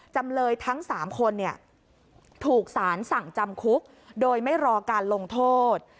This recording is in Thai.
จำเลยทั้ง๓คนถูกสารสั่งจำคุกโดยไม่รอการลงโทษ